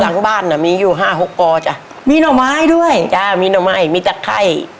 หลังบ้านน่ะมีอยู่ห้าหกกอจ้ะมีหน่อไม้ด้วยจ้ะมีหน่อไม้มีตะไข้